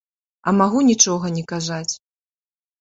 А магу нічога не казаць.